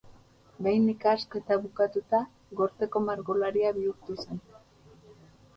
Behin ikasketak bukatuta, gorteko margolaria bihurtu zen.